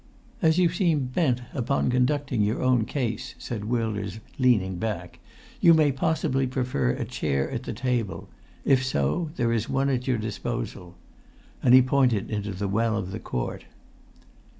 "As you seem bent upon conducting your own case," said Wilders, leaning back, "you may possibly prefer a chair at the table; if so, there is one at your disposal." And he pointed into the well of the court.